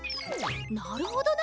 なるほどな！